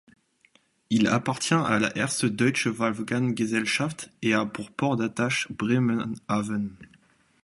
Il appartient à la Erste Deutsche Walfang-Gesellschaft et a pour port d'attache Bremerhaven.